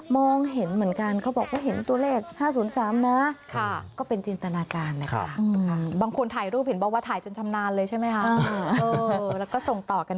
มองเห็นเหมือนกันเขาบอกว่าเห็นตัวเลขนั้น